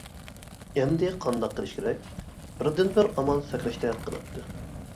ئەمدى قانداق قىلىش كېرەك؟ بىردىنبىر ئامال سەكرەشتەك قىلاتتى.